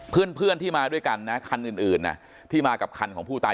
เพื่อนที่มาด้วยกันนะคันอื่นที่มากับคันของผู้ตาย